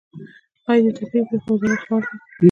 آیا د طبیعي پیښو وزارت فعال دی؟